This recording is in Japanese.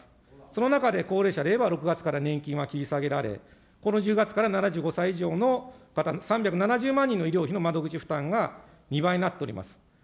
その中で、高齢者、令和６月から年金は切り下げられ、この１０月から７５歳以上の方の３７０万人の医療費の窓口負担が２倍になっております。